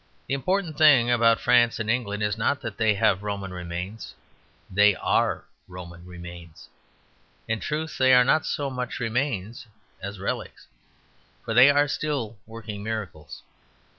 The important thing about France and England is not that they have Roman remains. They are Roman remains. In truth they are not so much remains as relics; for they are still working miracles.